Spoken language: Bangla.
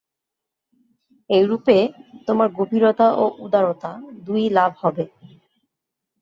এইরূপে তোমার গভীরতা ও উদারতা দুই-ই লাভ হবে।